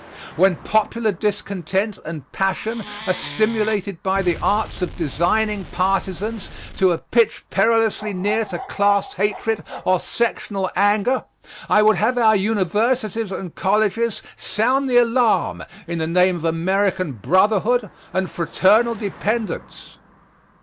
When popular discontent and passion are stimulated by the arts of designing partisans to a pitch perilously near to class hatred or sectional anger, I would have our universities and colleges sound the alarm in the name of American brotherhood and fraternal dependence.